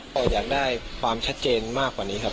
ก็อยากได้ความชัดเจนมากกว่านี้ครับ